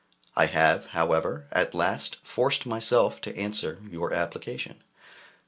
I have, however, at last forced myself to answer your application.